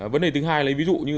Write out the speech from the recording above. vấn đề thứ hai là ví dụ như